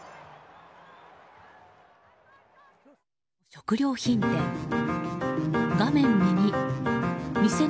食料品店。